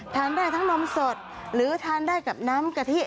ทานได้ทั้งนมสดหรือทานได้กับน้ำกะทิ